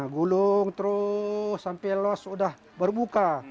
gulung terus sampai los sudah baru buka